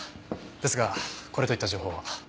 ですがこれといった情報は。